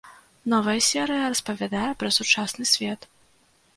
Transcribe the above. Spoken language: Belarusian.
Новая серыя распавядае пра сучасны свет.